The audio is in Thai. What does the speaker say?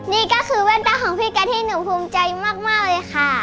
นี่ก็คือแว่นตาของพี่กะที่หนูภูมิใจมากเลยค่ะ